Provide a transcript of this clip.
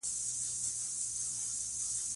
زه هڅه کوم، چي پر وخت د کور کارونه وکم.